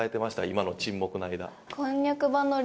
今の沈黙の間。